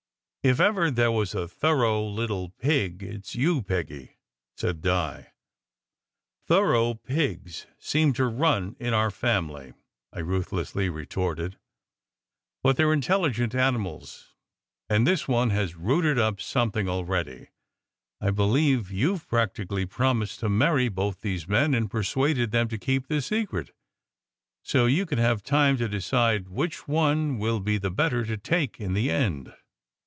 "If ever there was a thorough little pig, it s you, Peggy," said Di. "Thorough pigs seem to run in our family," I ruthlessly retorted. "But they re intelligent animals, and this one has rooted up something already. I believe you ve practi cally promised to marry both these men, and persuaded them to keep the secret, so you can have time to decide which one will be the better to take, in the end."